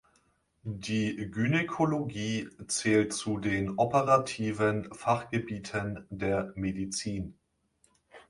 Die Gynäkologie zählt zu den operativen Fachgebieten der Medizin.